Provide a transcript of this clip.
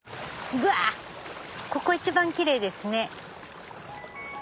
ぐわここ一番キレイですね。